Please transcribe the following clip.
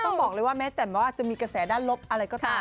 ต้องบอกเลยว่าแม้แต่แม้ว่าจะมีกระแสด้านลบอะไรก็ตาม